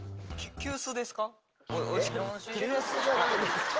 急須じゃないでしょ。